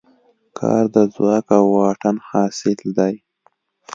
کار د ځواک او واټن حاصل دی.